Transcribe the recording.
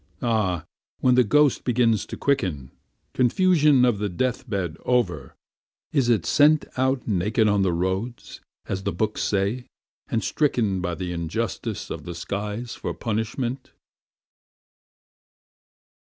Ah! when the ghost begins to quicken, Confusion of the death bed over, is it sentOut naked on the roads, as the books say, and strickenBy the injustice of the skies for punishment?